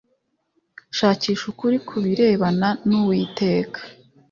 Shakisha ukuri ku birebana n uwiteka